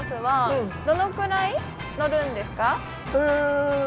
うん。